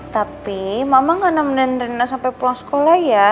tapi mama gak nomenin rina sampai pulang sekolah ya